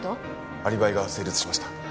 アリバイが成立しました。